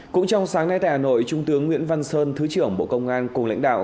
cũng trong sáng nay tại hà nội trung tướng nguyễn văn sơn thứ trưởng bộ công an cùng lãnh đạo